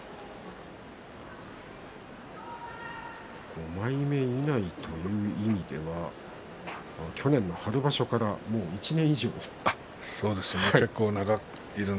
５枚目以内という意味では去年の春場所以来１年以上ですね。